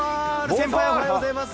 先輩、おはようございます。